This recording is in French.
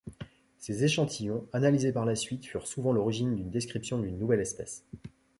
Ces échantillons, analysés par la suite, furent souvent l'origine d'une description d'une nouvelle espèce.